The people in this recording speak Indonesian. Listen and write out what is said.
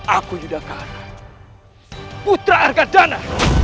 aku yudhakar putra arga dana